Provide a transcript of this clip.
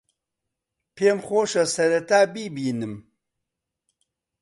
پێم خۆشە سەرەتا بیبینم.